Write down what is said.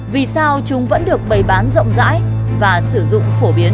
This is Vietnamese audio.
vì sao chúng vẫn được bày bán rộng rãi và sử dụng phổ biến